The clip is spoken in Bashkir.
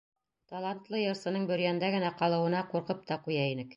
Талантлы йырсының Бөрйәндә генә ҡалыуына ҡурҡып та ҡуя инек.